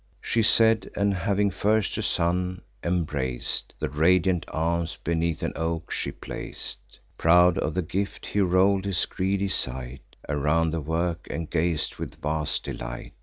She said; and, having first her son embrac'd, The radiant arms beneath an oak she plac'd, Proud of the gift, he roll'd his greedy sight Around the work, and gaz'd with vast delight.